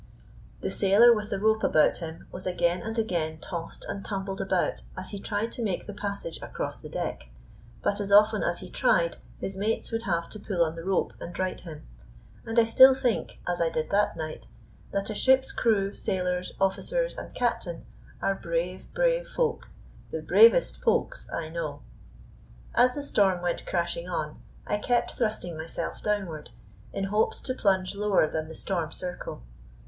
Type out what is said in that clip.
The sailor with the rope about him was again and again tossed and tumbled about as he tried to make the passage across the deck, but as often as he tried his mates would have to pull on the rope and right him. And I still think, as I did that night, that a ship's crew, sailors, officers, and captain, are brave, brave folk, the bravest Folks I know. As the storm went crashing on, I kept thrusting myself downward, in hopes to plunge lower than the storm circle.